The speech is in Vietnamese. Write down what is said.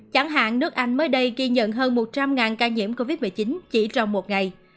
chẳng hạn nước anh mới đây ghi nhận hơn một trăm linh ca nhiễm covid một mươi chín chỉ trong một ngày